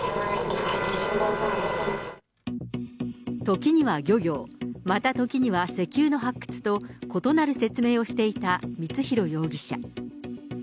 時には漁業、また時には石油の発掘と、異なる説明をしていた光弘容疑者。